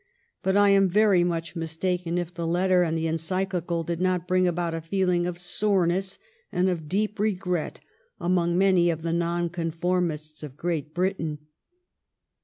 But I am much mistaken if the letter and the Encyclical did not bring about a feeling of sore ness and of deep regret among many of the Nonconformists of Great Britain.